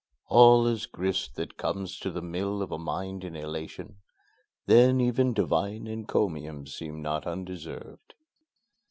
(All is grist that comes to the mill of a mind in elation then even divine encomiums seem not undeserved.)